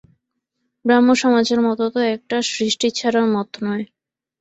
ব্রাহ্মসমাজের মত তো একটা সৃষ্টিছাড়া মত নয়।